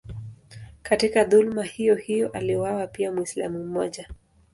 Katika dhuluma hiyohiyo aliuawa pia Mwislamu mmoja.